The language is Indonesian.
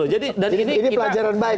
jadi ini pelajaran baik